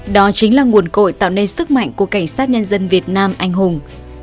đó chính là nguồn cội tạo nên sức mạnh của cảnh sát nhân dân việt nam anh hùng